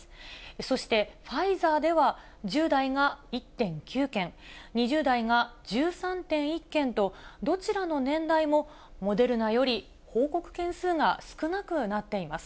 そして、ファイザーでは１０代が１．９件、２０代が１３．１件と、どちらの年代もモデルナより報告件数が少なくなっています。